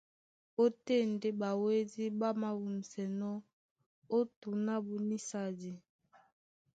Ótên ndé ɓáwédí ɓá māwûmsɛnɔ́ ó tǔn ábú nísadi.